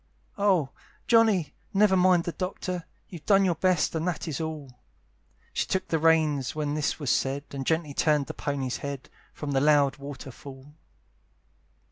"Oh! Johnny, never mind the Doctor; "You've done your best, and that is all." She took the reins, when this was said, And gently turned the pony's head From the loud water fall.